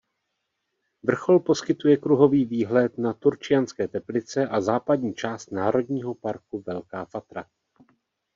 Vrchol poskytuje kruhový výhled na Turčianske Teplice a západní část Národního parku Velká Fatra.